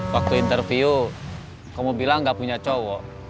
waktu interview kamu bilang gak punya cowok